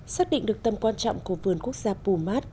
xác định được tầm quan trọng của vườn quốc gia pumat